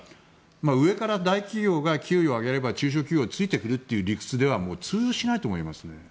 上から大企業が給与を上げれば中小企業がついてくるという理屈ではもう通用しないと思いますね。